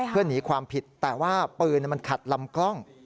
เพื่อหนีความผิดแต่ว่าปืนมันขัดลำกล้อง